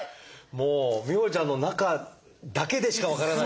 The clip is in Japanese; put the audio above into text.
もう美帆ちゃんの中だけでしか分からない。